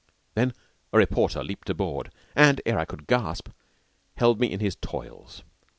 Then a reporter leaped aboard, and ere I could gasp held me in his toils.